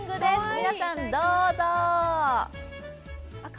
皆さん、どうぞ。